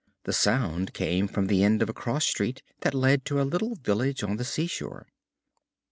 The sounds came from the end of a cross street that led to a little village on the seashore.